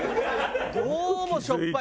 どうもしょっぱい。